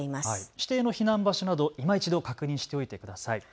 指定の避難場所などいま一度確認しておいてください。